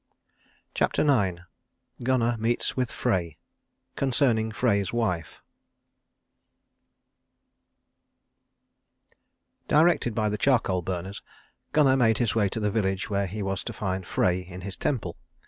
CHAPTER IX GUNNAR MEETS WITH FREY. CONCERNING FREY'S WIFE Directed by the charcoal burners, Gunnar made his way to the village where he was to find Frey in his temple.